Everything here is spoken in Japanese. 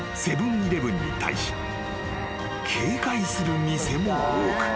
イレブンに対し警戒する店も多く］